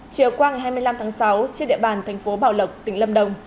chiều qua ngày hai mươi năm tháng sáu trên địa bàn thành phố bảo lộc tỉnh lâm đồng